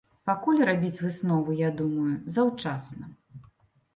Пакуль рабіць высновы, я думаю, заўчасна.